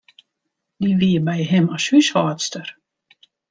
Dy wie by him as húshâldster.